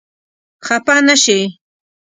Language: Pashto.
خپه نه شې؟